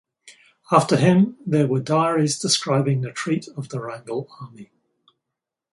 After him there were diaries describing the retreat of the Wrangel army.